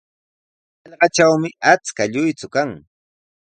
Hallqatrawmi achka lluychu kan.